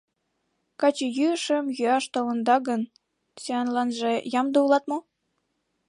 Качыйӱышым йӱаш толында гын, сӱанланже ямде улат мо?»